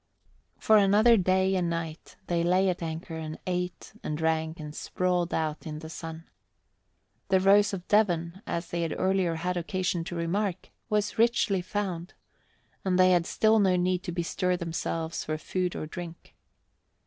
For another day and night they lay at anchor and ate and drank and sprawled out in the sun. The Rose of Devon, as they had earlier had occasion to remark, was richly found, and they had still no need to bestir themselves for food and drink.